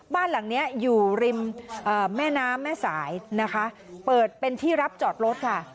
บ้านหลังนี้อยู่ริมแม่น้ำแม่สายนะคะเปิดเป็นที่รับจอดรถค่ะ